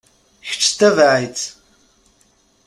Kečč ttabaɛ-itt.